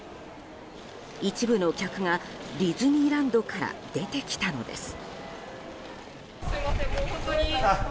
一部の客がディズニーランドから出てきたのです。